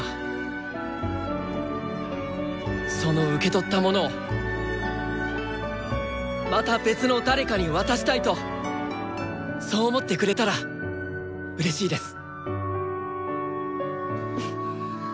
その受け取ったものをまた別の誰かに渡したいとそう思ってくれたらうれしいです。